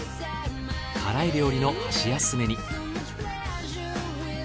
辛い料理の箸休めに。